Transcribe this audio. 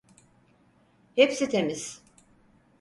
Hepsi temiz.